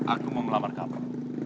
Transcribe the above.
aku mau melamar kamu